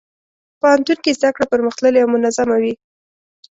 پوهنتون کې زدهکړه پرمختللې او منظمه وي.